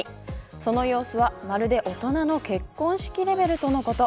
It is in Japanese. その様子はまるで大人の結婚式レベルとのこと。